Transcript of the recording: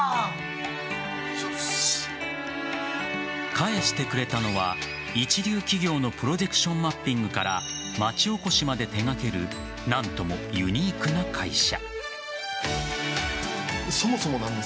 返してくれたのは一流企業のプロジェクションマッピングから町おこしまで手掛ける何ともユニークな会社。